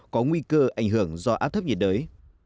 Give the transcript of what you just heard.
có nguy cơ ảnh hưởng do áp thấp nhiệt đới